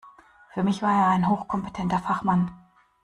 Für mich war er ein hochkompetenter Fachmann.